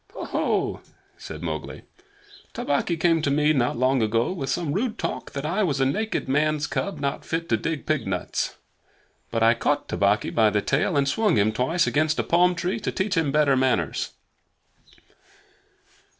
"Ho! ho!" said Mowgli. "Tabaqui came to me not long ago with some rude talk that I was a naked man's cub and not fit to dig pig nuts. But I caught Tabaqui by the tail and swung him twice against a palm tree to teach him better manners."